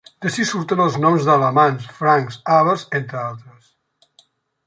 D'ací surten els noms d'alamans, francs, àvars, entre altres.